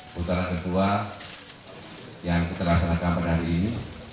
putra putra yang kita laksanakan pada hari ini